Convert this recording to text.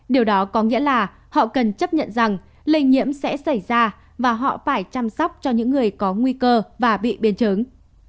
điều đó có nghĩa là họ cần chấp nhận rằng lây nhiễm sẽ xảy ra và họ phải chăm sóc cho những người có nguy cơ và bị biến chứng